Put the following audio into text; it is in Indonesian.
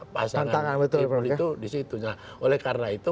pasangan tim itu disitu oleh karena itu